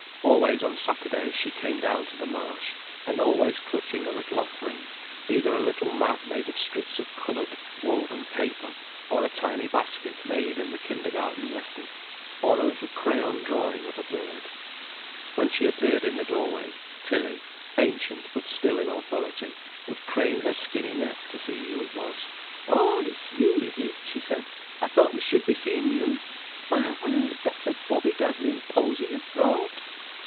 Always on Saturdays she came down to the Marsh, and always clutching a little offering, either a little mat made of strips of coloured, woven paper, or a tiny basket made in the kindergarten lesson, or a little crayon drawing of a bird. When she appeared in the doorway, Tilly, ancient but still in authority, would crane her skinny neck to see who it was. "Oh, it's you, is it?" she said. "I thought we should be seein' you. My word, that's a bobby dazzlin' posy you've brought!"